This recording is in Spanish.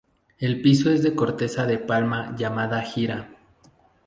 El piso es de corteza de palma llamada jira.